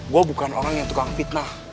gue bukan orang yang tukang fitnah